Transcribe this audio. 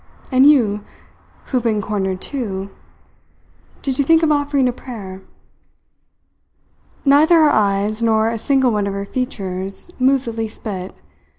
"And you, who have been cornered too did you think of offering a prayer?" Neither her eyes nor a single one of her features moved the least bit.